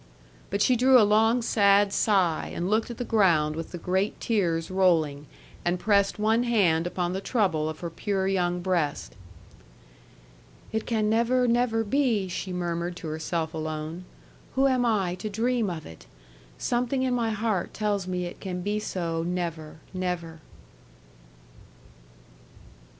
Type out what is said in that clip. But she drew a long sad sigh, and looked at the ground with the great tears rolling, and pressed one hand upon the trouble of her pure young breast. 'It can never, never be,' she murmured to herself alone: 'Who am I, to dream of it? Something in my heart tells me it can be so never, never.'